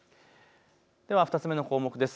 では２つ目の項目です。